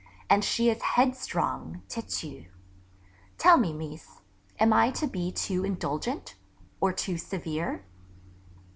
And she is headstrong (têtue). Tell me, Mees, am I to be too indulgent? or too severe?